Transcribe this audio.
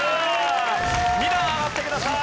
２段上がってください。